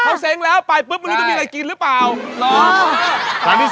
เขาเซ้งแล้วไปปุ๊บไม่รู้จะมีอะไรกินหรือเปล่า